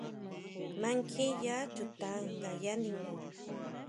¿Mankjiya chuta ngaya ningu?